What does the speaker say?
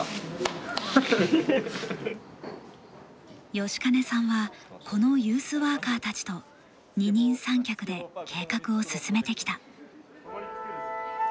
吉金さんはこのユースワーカーたちと二人三脚で、計画を進めてきた。